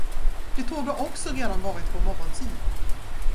Det torde också redan varit på morgonsidan.